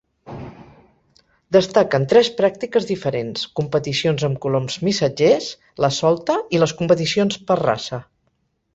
Destaquen tres pràctiques diferents: competicions amb coloms missatgers, la solta i les competicions per raça.